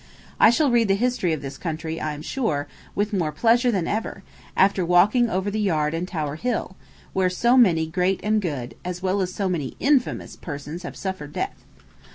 I shall read the history of this country, I am sure, with more pleasure than ever, after walking over the yard and Tower Hill, where so many great and good, as well as so many infamous, persons have suffered death.